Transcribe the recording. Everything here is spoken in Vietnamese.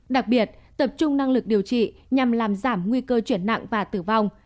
đặc biệt tập trung năng lực điều trị nhằm làm giảm nguy cơ chuyển nặng và tử vong